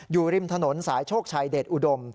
อยู่ริมถนนสายโชคชัยเดชอุดม